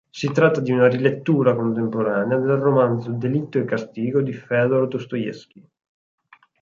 Si tratta di una rilettura contemporanea del romanzo "Delitto e castigo" di Fëdor Dostoevskij.